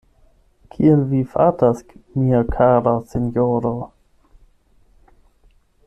Kiel vi fartas, mia kara sinjoro?